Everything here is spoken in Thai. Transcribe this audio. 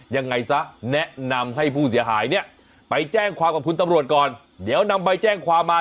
ยังไงซะแนะนำให้ผู้เสียหายเนี่ยไปแจ้งความกับคุณตำรวจก่อนเดี๋ยวนำใบแจ้งความมา